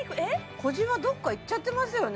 小じわどっかいっちゃってますよね